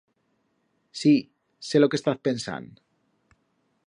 Sí, sé lo que estaz pensand.